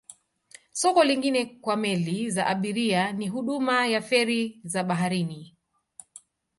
Soko lingine kwa meli za abiria ni huduma ya feri za baharini.